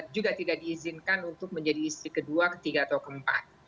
juga tidak diizinkan untuk menjadi istri kedua ketiga atau keempat